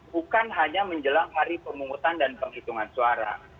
bukan hanya menjelang hari pemungutan dan penghitungan suara